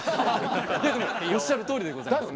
でもおっしゃるとおりでございます。